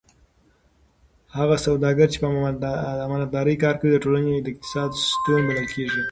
هغه سوداګر چې په امانتدارۍ کار کوي د ټولنې د اقتصاد ستون بلل کېږي.